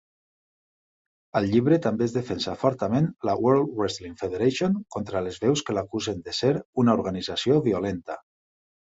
Al llibre també es defensa fortament la World Wrestling Federation contra les veus que l'acusen de ser una organització violenta.